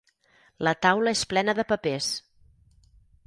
La taula és plena de papers.